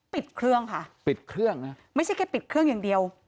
ปิดเครื่องค่ะปิดเครื่องนะไม่ใช่แค่ปิดเครื่องอย่างเดียว